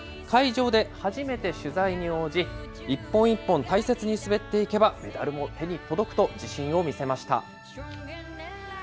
会場で初めて取材に応じ、一本一本大切に滑っていけばメダルも手に届くと自信を見せました。